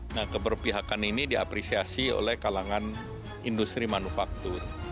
nah keberpihakan ini diapresiasi oleh kalangan industri manufaktur